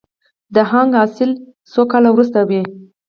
د هنګ حاصل څو کاله وروسته وي؟